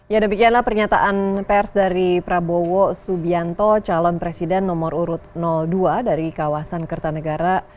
ya demikianlah pernyataan pers dari prabowo subianto calon presiden nomor urut dua dari kawasan kertanegara